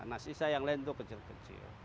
nah sisa yang lain itu kecil kecil